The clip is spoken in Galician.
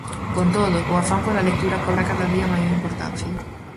Con todo, o afán pola lectura cobra cada día maior importancia.